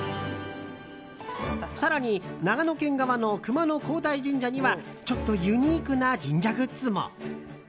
更に長野県側の熊野皇大神社にはちょっとユニークな神社グッズも。